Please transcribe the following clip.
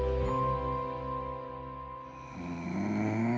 うん。